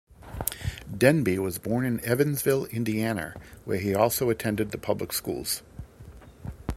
Denby was born in Evansville, Indiana, where he attended the public schools.